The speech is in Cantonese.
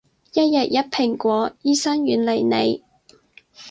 一日一蘋果，醫生遠離你